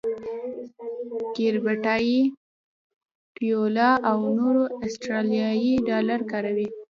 کیریباټی، ټیوالو او نیرو اسټرالیایي ډالر کاروي.